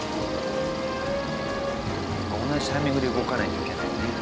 同じタイミングで動かないといけないね。